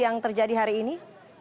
yang terjadi hari ini